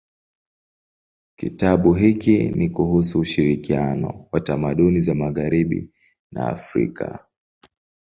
Kitabu hiki ni kuhusu ushirikiano wa tamaduni za magharibi na Afrika.